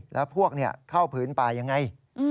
แล้วพวกเข้าผืนป่ายังไง